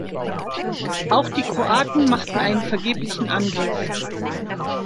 Auch die Kroaten machten einen vergeblichen Angriff.